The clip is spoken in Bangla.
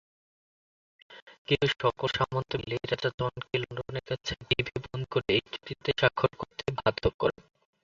কিন্তু সকল সামন্ত মিলে রাজা জন কে লন্ডনের কাছে এক দ্বীপে বন্দি করে এই চুক্তিতে স্বাক্ষর করতে বাধ্য করেন।